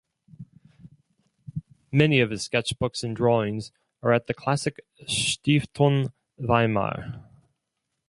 Many of his sketchbooks and drawings are at the Klassik Stiftung Weimar.